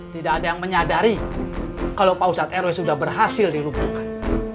tidak ada yang menyadari kalo pausat rw sudah berhasil dilumpukan